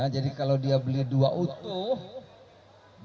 jadi kalau dia beli dua utuh